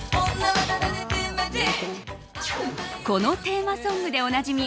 このテーマソングでおなじみ